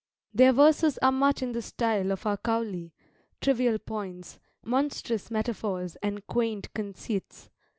Their verses are much in the style of our Cowley trivial points, monstrous metaphors, and quaint conceits.